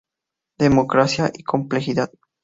Democracia y complejidad.